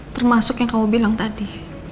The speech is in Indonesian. termasuk yang kamu bilang tadi